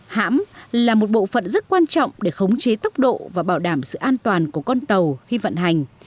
hãm là một bộ phận rất quan trọng để khống chế tốc độ và bảo đảm sự an toàn của con tàu khi vận hành